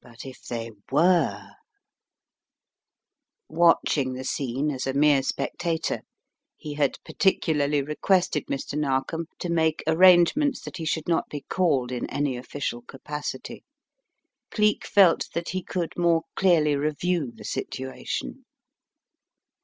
But if they were Watching the scene, as a mere spectator (he had particularly requested Mr. Narkom to make arrange ments that he should not be called in any official capacity) Geek felt that he could more clearly review the situation.